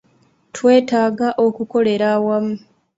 Twetaaga okukolera awamu.